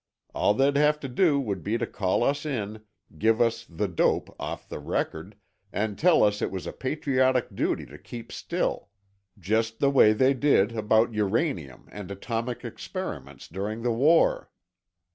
All they'd have to do would be call us in, give us the dope off the record, and tell us it was a patriotic duty to keep still. Just the way they did about uranium and atomic experiments during the war."